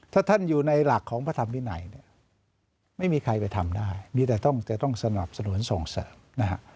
ถ้าท่านอยู่ในหลักของพระธรรมวินัยเนี่ยไม่มีใครไปทำได้มีแต่ต้องจะต้องสนับสนุนส่งเสริมนะฮะ